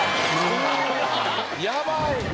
ヤバい。